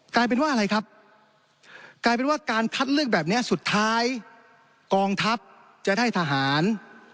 กลายเป็นว่าอะไรครับกลายเป็นว่าการคัดเลือกแบบเนี้ยสุดท้ายกองทัพจะได้ทหาร